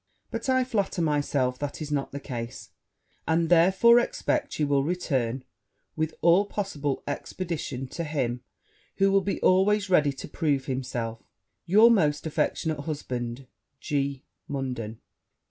But I flatter myself that is not the case; and therefore expect you will return with all possible expedition to him who will be always ready to prove himself your most affectionate husband, G. MUNDEN.